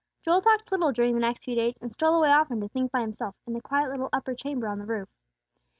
Joel talked little during the next few days, and stole away often to think by himself, in the quiet little upper chamber on the roof.